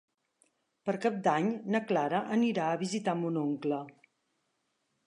Per Cap d'Any na Clara anirà a visitar mon oncle.